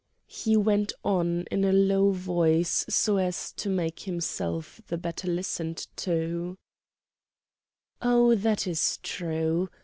He went on in a low voice so as to make himself the better listened to: "Oh! that is true!